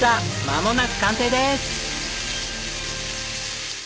まもなく完成です！